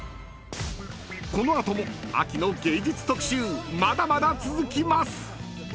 ［この後も秋の芸術特集まだまだ続きます！］